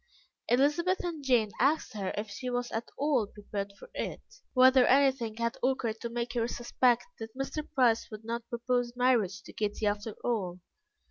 Elizabeth and Jane asked her if she was at all prepared for it, whether anything had occurred to make her suspect that Mr. Price would not propose marriage to Kitty after all.